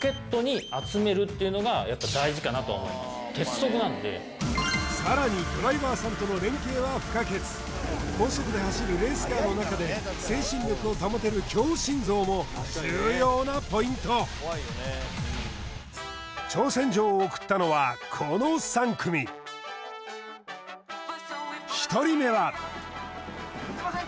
ボウリングはさらにドライバーさんとの連携は不可欠高速で走るレースカーの中で精神力を保てる強心臓も重要なポイント挑戦状を送ったのはこの３組すいません